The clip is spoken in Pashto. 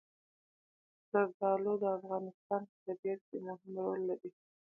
زردالو د افغانستان په طبیعت کې مهم رول لري.